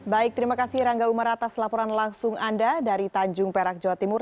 baik terima kasih rangga umar atas laporan langsung anda dari tanjung perak jawa timur